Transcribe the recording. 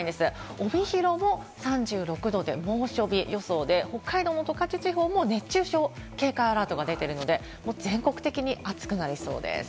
帯広も３６度で猛暑日予想で、北海道の十勝地方も熱中症警戒アラートが出ているので、全国的に暑くなりそうです。